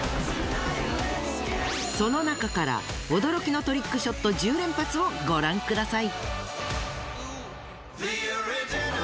そのなかから驚きのトリックショット１０連発をご覧ください。